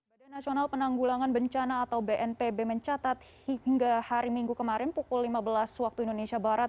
badan nasional penanggulangan bencana atau bnpb mencatat hingga hari minggu kemarin pukul lima belas waktu indonesia barat